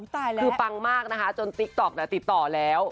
คือปังมากนะคะจนติ๊กต๊อกติดต่อแล้ว